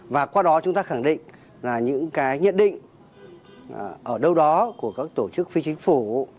và qua đó chúng ta khẳng định là những cái nhận định ở đâu đó của các tổ chức phi chính phủ